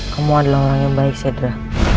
kamu adalah orang yang baik sedra